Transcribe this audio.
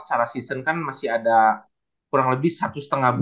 secara season kan masih ada kurang lebih satu setengah bulan